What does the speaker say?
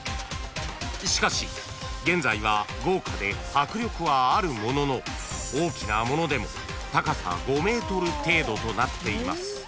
［しかし現在は豪華で迫力はあるものの大きなものでも高さ５ｍ程度となっています］